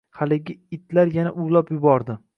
Haligi itlar yana uvlab yubordi.